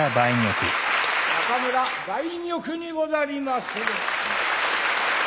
中村梅玉にござりまする。